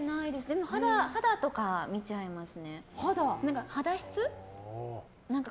でも肌とか見ちゃいますね。